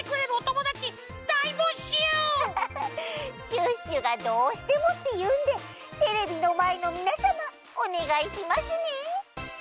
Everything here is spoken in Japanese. シュッシュがどうしても！っていうんでテレビのまえのみなさまおねがいしますね！